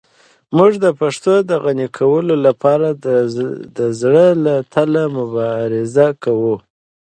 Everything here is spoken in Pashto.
موږ د پښتو د غني کولو لپاره د زړه له تله مبارزه کوو.